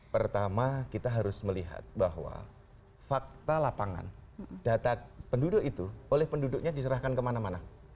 pertama kita harus melihat bahwa fakta lapangan data penduduk itu oleh penduduknya diserahkan kemana mana